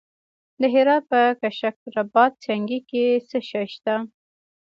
د هرات په کشک رباط سنګي کې څه شی شته؟